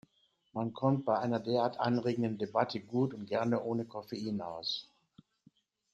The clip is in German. Man kommt bei einer derart anregenden Debatte gut und gerne ohne Koffein aus.